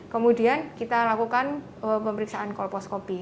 kemudian kita lakukan pemeriksaan kolposcopy